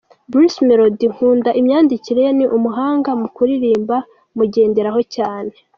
Bruce Melodie nkunda imyandikire ye ni n’umuhanga mu kuririmba mugenderaho cyane.